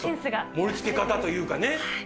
盛り付け方というかね。